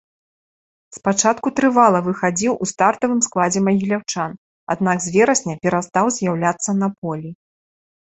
Спачатку трывала выхадзіў у стартавым складзе магіляўчан, аднак з верасня перастаў з'яўляцца на полі.